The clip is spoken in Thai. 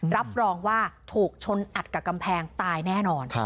รับรองว่าถูกชนอัดกับกำแพงตายแน่นอน